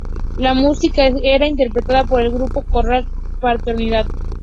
La música era interpretada por el grupo coral La Fraternidad.